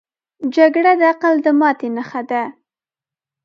جګړه د عقل د ماتې نښه ده